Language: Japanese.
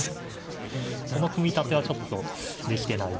この組み立てはちょっとできてないですね。